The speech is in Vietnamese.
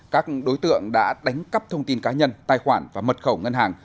các đối tượng đã đánh cắp thông tin cá nhân tài khoản và mật khẩu ngân hàng